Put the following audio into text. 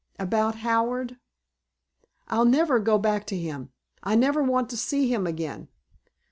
"About Howard?" "I'll never go back to him. I never want to see him again."